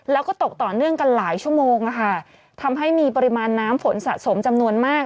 แล้วก็ตกต่อเนื่องกันหลายชั่วโมงนะคะทำให้มีปริมาณน้ำฝนสะสมจำนวนมาก